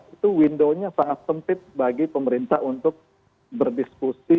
itu window nya sangat sempit bagi pemerintah untuk berdiskusi